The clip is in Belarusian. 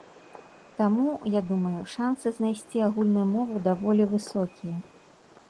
Таму, я думаю, шансы знайсці агульную мову даволі высокія.